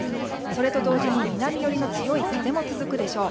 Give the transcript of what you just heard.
それと同時に、南寄りの強い風も続くでしょう。